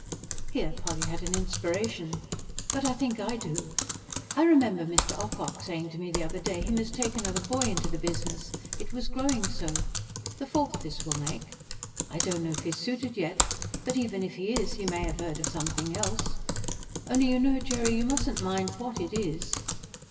Here Polly had an inspiration. "But I think I do. I remember Mr. Ocock saying to me the other day he must take another boy into the business, it was growing so the fourth, this will make. I don't know if he's suited yet, but even if he is, he may have heard of something else. Only you know, Jerry, you mustn't mind WHAT it is.